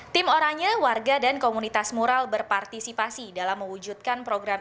tim oranya warga dan komunitas mural berpartisipasi dalam mewujudkan program